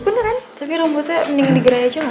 bagus beneran tapi rombotnya mending digerai aja